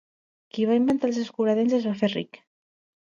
Qui va inventar els escuradents es va fer ric